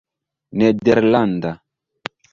nederlanda